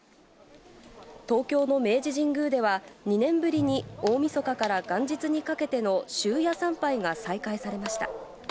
東京の明治神宮では、２年ぶりに大みそかから元日にかけての終夜参拝が再開されました。